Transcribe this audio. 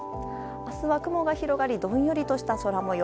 明日は雲が広がりどんよりとした空模様。